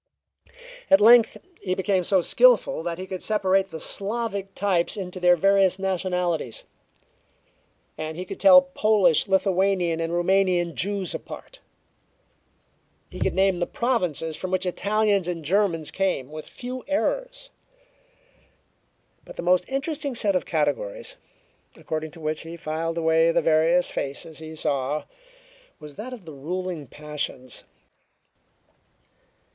At length he became so skillful that he could separate the Slavic types into their various nationalities, and he could tell Polish, Lithuanian and Roumanian Jews apart. He could name the provinces from which Italians and Germans came with few errors. But the most interesting set of categories, according to which he filed away the various faces he saw was that of their ruling passions.